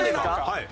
はい。